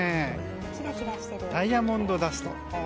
ダイヤモンドダスト。